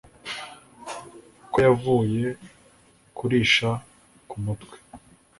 Ko yavuye kurisha ku mutwe